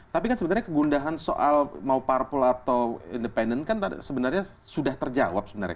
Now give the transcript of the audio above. tapi kan sebenarnya kegundahan soal mau parpol atau independen kan sebenarnya sudah terjawab sebenarnya